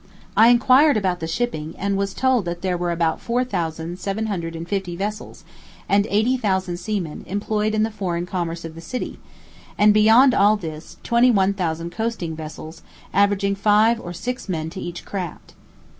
I inquired about the shipping, and was told that there were about four thousand seven hundred and fifty vessels, and eighty thousand seamen, employed in the foreign commerce of the city; and beyond all this, twenty one thousand coasting vessels, averaging five or six men to each craft.